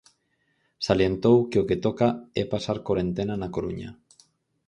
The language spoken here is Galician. Salientou que o que toca é pasar corentena na Coruña.